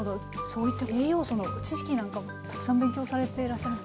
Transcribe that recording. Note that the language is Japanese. そういった栄養素の知識なんかもたくさん勉強されてらっしゃる？